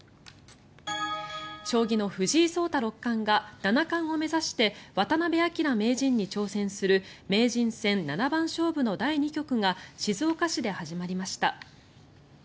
将棋の藤井聡太六冠が七冠を目指して渡辺明名人に挑戦する名人戦七番勝負の第２局が静岡市で始まりました。